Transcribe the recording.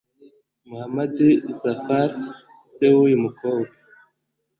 Mohammad Zafar se w’uyu mukobwa